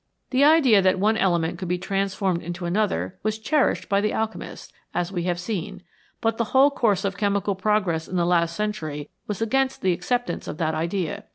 The idea that one element could be transformed into another was cherished by the alchemists, as we have seen, but the whole course of chemical progress in the last century was against the acceptance of that idea.